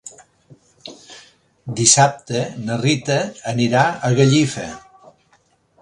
Dissabte na Rita anirà a Gallifa.